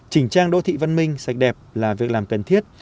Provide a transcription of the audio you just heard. chỉnh trang đô thị văn minh sạch đẹp là việc làm cần thiết